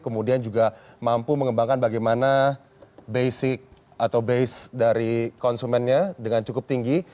kemudian juga mampu mengembangkan bagaimana basic atau base dari konsumennya dengan cukup tinggi